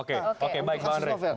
oke baik pak andre